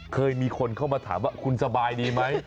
เคยมีคนเข้ามาถามว่าคุณสบายดีไหม